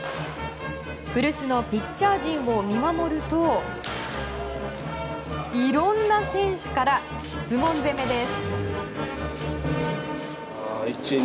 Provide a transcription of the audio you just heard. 古巣のピッチャー陣を見守るといろんな選手から質問攻めです。